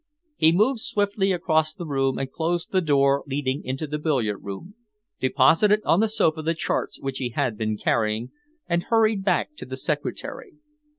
He moved swiftly across the room and closed the door leading into the billiard room, deposited on the sofa the charts which he had been carrying, and hurried back to the secretary.